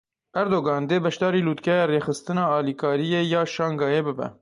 Erdogan dê beşdarî Lûtkeya Rêxistina Alîkariyê ya Şangayê bibe.